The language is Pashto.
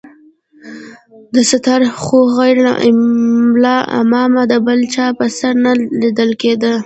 دستار خو غير له ملا امامه د بل چا پر سر نه ليدل کېده.